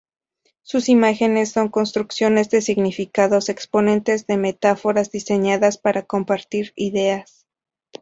Sus imágenes son "construcciones de significados, exponentes de metáforas diseñadas para compartir ideas".